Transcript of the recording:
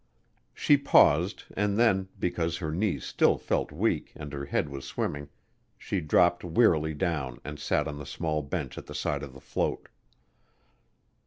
She paused and then, because her knees still felt weak and her head was swimming, she dropped wearily down and sat on the small bench at the side of the float.